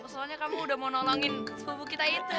soalnya kamu udah mau nolongin subuh kita itu